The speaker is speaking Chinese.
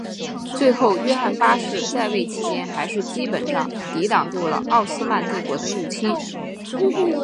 最后约翰八世在位期间还是基本上抵挡住了奥斯曼帝国的入侵。